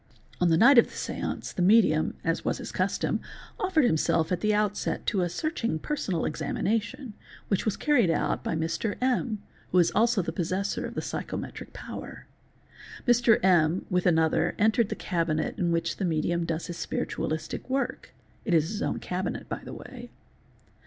"On the night of the séance the medium, as was his custom, offered himself at the outset to a searching personal examination, which was earried out by Mr. M., who is also the possessor of the psychometric power. Mr. M., with another, entered the cabinet in which the medium does his spiritualistic work (it is his own cabinet, by the way).